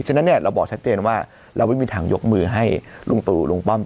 ฉะนั้นเนี่ยเราบอกชัดเจนว่าเราไม่มีทางยกมือให้ลุงตู่ลุงป้อม